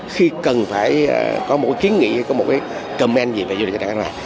khi cần phải có một kiến nghị có một comment gì về du lịch nha trang khánh hòa